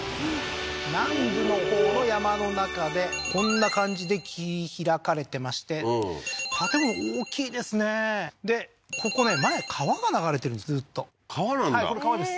南部のほうの山の中でこんな感じで切り開かれてまして建物大きいですねでここね前川が流れてるんですずっと川なんだはいこれ川です